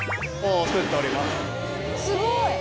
すごい。